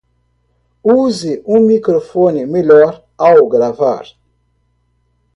Use um microfone melhor ao gravar